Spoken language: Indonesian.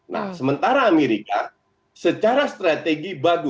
nah sementara amerika secara strategi bagus